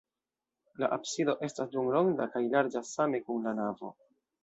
La absido estas duonronda kaj larĝas same kun la navo.